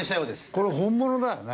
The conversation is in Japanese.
これ本物だよね？